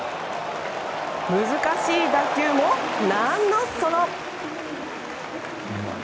難しい打球も、なんのその！